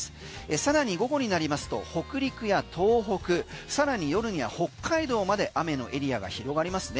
さらに午後になりますと北陸や東北さらに夜には北海道まで雨のエリアが広がります。